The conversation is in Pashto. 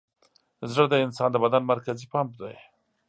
زړه د انسان د بدن مرکزي پمپ دی.